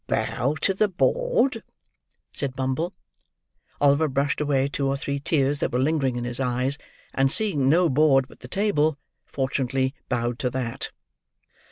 "Bow to the board," said Bumble. Oliver brushed away two or three tears that were lingering in his eyes; and seeing no board but the table, fortunately bowed to that.